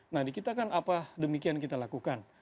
nah di kita kan apa demikian kita lakukan